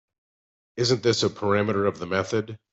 Isn’t this a parameter of the method?